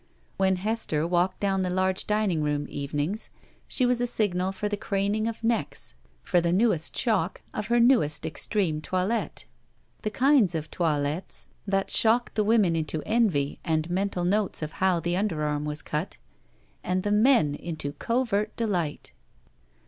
When Hester walked down the large dining room evenings, she was a signal for the craning of necks for the newest shock of her newest extreme toilette. The kinds of toilettes that shocked the women into envy and mental notes of how the underarm was cut, and the men into covert delight.